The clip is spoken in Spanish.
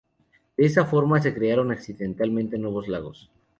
De esta forma se crearon accidentalmente nuevos lagos.